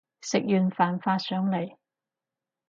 食完飯發上嚟